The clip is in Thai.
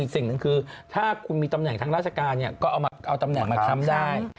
สิ่งหนึ่งคือถ้าคุณมีตำแหน่งทางราชการก็เอาตำแหน่งมาค้ำได้